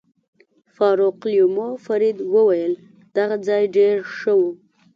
فاروقلومیو فرید وویل: دغه ځای ډېر ښه و.